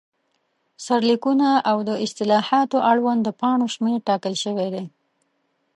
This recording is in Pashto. سرلیکونه، او د اصطلاحاتو اړوند د پاڼو شمېر ټاکل شوی دی.